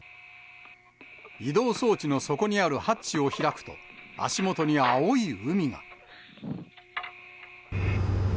移動装置の底にあるハッチを開くと、足元に青い海が。